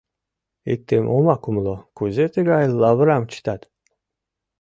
Иктым омак умыло: кузе тыгай лавырам чытат?